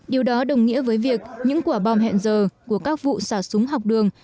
điều đó đồng nghĩa với việc những quả bom hẹn giờ của các vụ xả súng học đường